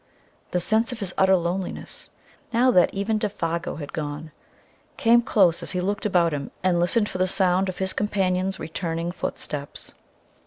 The sense of his utter loneliness, now that even Défago had gone, came close as he looked about him and listened for the sound of his companion's returning footsteps.